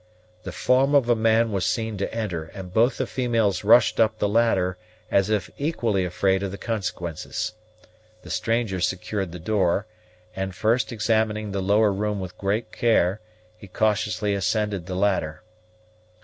The form of a man was seen to enter; and both the females rushed up the ladder, as if equally afraid of the consequences. The stranger secured the door; and, first examining the lower room with great care, he cautiously ascended the ladder.